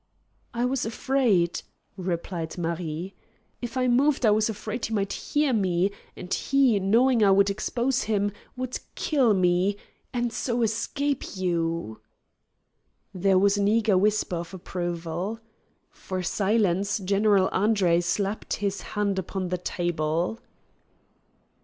"I was afraid," replied Marie. "If I moved I was afraid he might hear me, and he, knowing I would expose him, would kill me and so escape you!" There was an eager whisper of approval. For silence, General Andre slapped his hand upon the table.